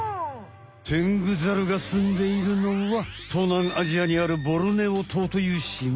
テングザルがすんでいるのはとうなんアジアにあるボルネオ島というしま。